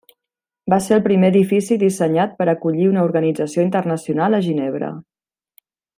Va ser el primer edifici dissenyat per acollir una organització internacional a Ginebra.